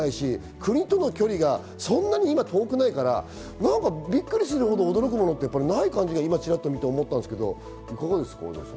国との距離がそんなに遠くないからびっくりするほど驚くものはないものは今チラっと見て思ったんですけどいかがですか？